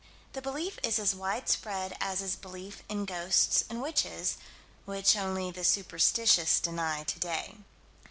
The belief is as widespread as is belief in ghosts and witches, which only the superstitious deny today.